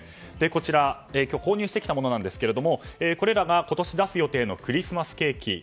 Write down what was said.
こちらは今日購入してきたものなんですがこれらが今年出す予定のクリスマスケーキ。